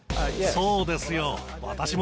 そうですよ。